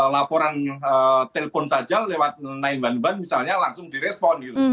laporan telepon saja lewat naik ban ban misalnya langsung direspon gitu